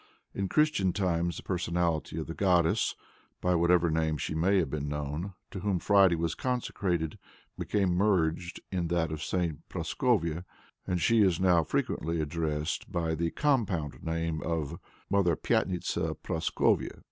In Christian times the personality of the goddess (by whatever name she may have been known) to whom Friday was consecrated became merged in that of St. Prascovia, and she is now frequently addressed by the compound name of "Mother Pyatnitsa Prascovia."